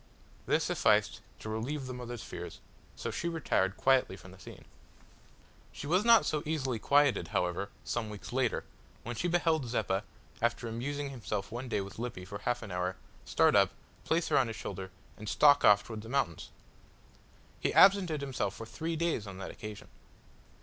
This sufficed to relieve the mother's fears, so she retired quietly from the scene. She was not so easily quieted, however, some weeks later, when she beheld Zeppa, after amusing himself one day with Lippy for half an hour, start up, place her on his shoulder, and stalk off towards the mountains. He absented himself for three days on that occasion.